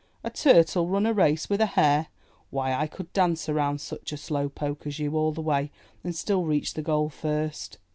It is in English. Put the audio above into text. A Turtle run a race with a Hare! Why, I could dance around such a slow poke as you all the way, and still reach the goal first.'